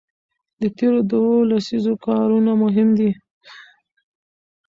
د تېرو دوو لسیزو کارونه مهم دي.